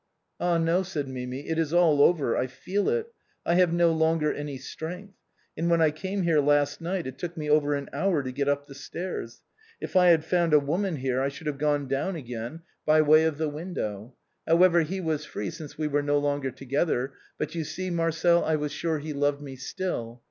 "Ah ! no," said Mimi, " it is all over, I feel it. I have no longer any strength, and when I came here last night it took me over an hour to get up the stairs. If I had found a woman here I should have gone down again by way of 330 THE BOHEMIANS OF THE LATIN QUARTER. the window. However, he was free since we were no longer together, but you see, Marcel, I was sure he loved me still.